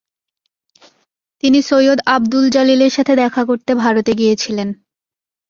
তিনি সৈয়দ আবদুল জালিলের সাথে দেখা করতে ভারতে গিয়েছিলেন।